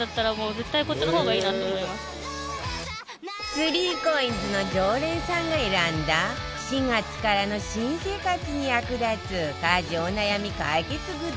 ３ＣＯＩＮＳ の常連さんが選んだ４月からの新生活に役立つ家事お悩み解決グッズ